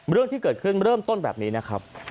เรื่องที่เกิดขึ้นเริ่มต้นแบบนี้นะครับ